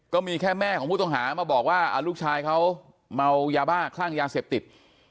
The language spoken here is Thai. ก็มีแค่แม่ของผู้ต้องหามาบอกว่าลูกชายเขาเมายาบ้าคลั่งยาเสพติด